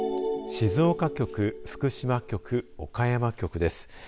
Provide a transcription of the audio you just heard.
静岡局、福島局岡山局です。